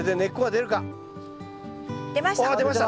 出ました。